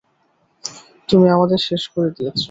তুমি আমাদের শেষ করে দিয়েছ!